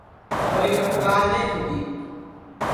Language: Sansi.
چھوری چکُو لاج نائی چُھوٹی